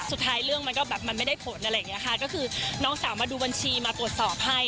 เรื่องมันก็แบบมันไม่ได้ผลอะไรอย่างเงี้ยค่ะก็คือน้องสาวมาดูบัญชีมาตรวจสอบให้